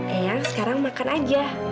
eyang sekarang makan aja